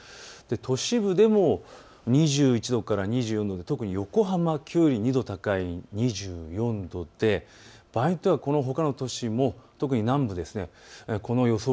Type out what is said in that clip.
都市部でも２１度から２４度、特に横浜、きょうより２度高い２４度で場合によってはこのほかの都市も特に南部、この予想